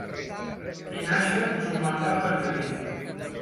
Vinaixa es un bon lloc per anar-hi